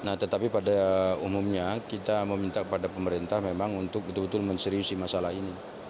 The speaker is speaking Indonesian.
nah tetapi pada umumnya kita meminta kepada pemerintah memang untuk betul betul menseriusi masalah ini